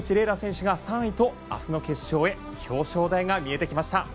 楽選手が３位と明日の決勝へ表彰台が見えてきました。